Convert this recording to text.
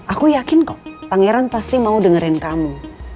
aku yakin kok pangeran pasti mau dengerin kamu